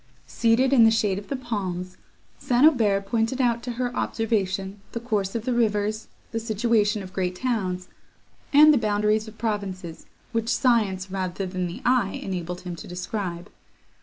Seated in the shade of the palms, St. Aubert pointed out to her observation the course of the rivers, the situation of great towns, and the boundaries of provinces, which science, rather than the eye, enabled him to describe.